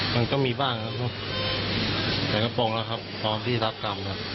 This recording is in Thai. มันก็มีบ้างครับใส่กระโปรงแล้วครับพร้อมที่รับกรรมครับ